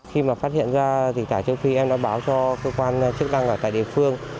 khi mà phát hiện ra dịch tả châu phi em đã báo cho cơ quan chức năng ở tại địa phương